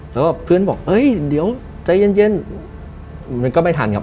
แล้วก็เพื่อนบอกเอ้ยเดี๋ยวใจเย็นมันก็ไม่ทันครับ